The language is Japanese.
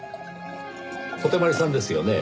小手鞠さんですよね？